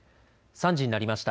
３時になりました。